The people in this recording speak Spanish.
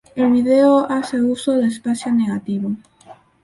El video hace uso de espacio negativo.